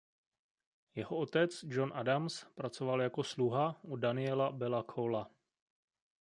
Jeho otec John Adams pracoval jako sluha u Daniela Bella Cola.